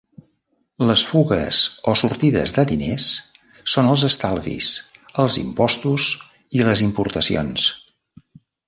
Les fugues o sortides de diners són els estalvis, els impostos i les importacions.